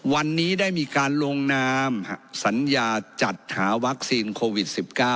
วันนี้ได้มีการลงนามสัญญาจัดหาวัคซีนโควิด๑๙